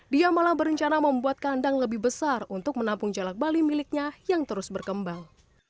dia malah berencana membuat kandang lebih besar untuk menampung jalak bali miliknya yang terus berkembang